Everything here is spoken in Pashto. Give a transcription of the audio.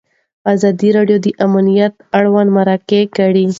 ازادي راډیو د امنیت اړوند مرکې کړي.